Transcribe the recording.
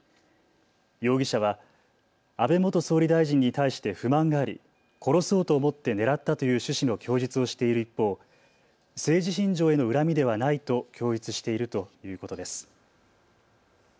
容疑者は安倍元総理大臣に対して不満があり、殺そうと思って狙ったという趣旨の供述をしている一方、政治信条への恨みではないと供述しているということです。